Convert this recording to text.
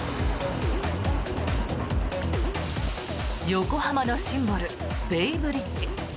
横浜のシンボルベイブリッジ。